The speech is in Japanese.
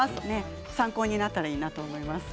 参考になったらいいなと思います。